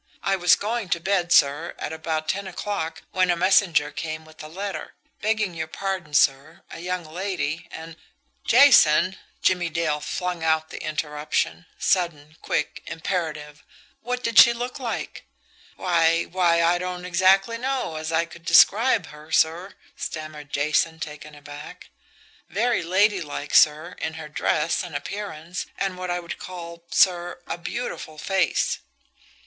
"I was going to bed, sir, at about ten o'clock, when a messenger came with a letter. Begging your pardon, sir, a young lady, and " "Jason" Jimmie Dale flung out the interruption, sudden, quick, imperative "what did she look like?" "Why why, I don't exactly know as I could describe her, sir," stammered Jason, taken aback. "Very ladylike, sir, in her dress and appearance, and what I would call, sir, a beautiful face."